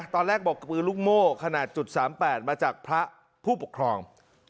ตอนแรกบอกปืนลูกโม่ขนาด๓๘มาจากพระผู้ปกครอง